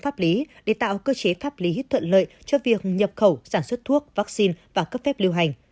pháp lý để tạo cơ chế pháp lý thận lợi cho việc nhập khẩu sản xuất thuốc vắc xin và cấp phép lưu hành